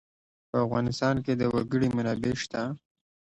په افغانستان کې د وګړي منابع شته.